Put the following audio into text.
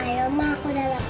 ayo ma aku udah lapar tamut